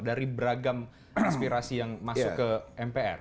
dari beragam aspirasi yang masuk ke mpr